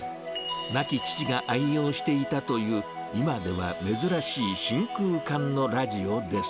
亡き父が愛用していたという、今では珍しい真空管のラジオです。